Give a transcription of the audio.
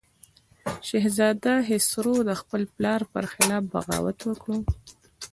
شهزاده خسرو د خپل پلار پر خلاف بغاوت وکړ.